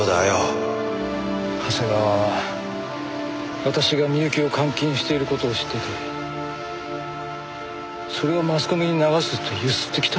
長谷川は私が美雪を監禁している事を知っていてそれをマスコミに流すとゆすってきたんです。